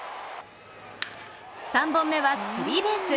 ３本目はスリーベース。